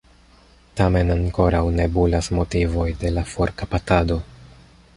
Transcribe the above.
Tamen ankoraŭ nebulas motivoj de la forkaptado.